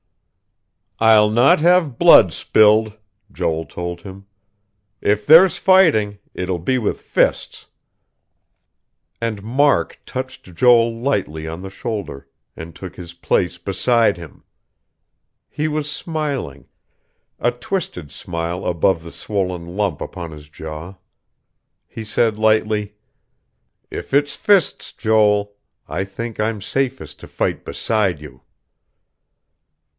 "I'll not have blood spilled," Joel told him. "If there's fighting, it will be with fists...." And Mark touched Joel lightly on the shoulder, and took his place beside him. He was smiling, a twisted smile above the swollen lump upon his jaw. He said lightly: "If it's fists, Joel I think I'm safest to fight beside you."